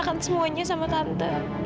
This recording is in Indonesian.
satu satunya ayam belangrijk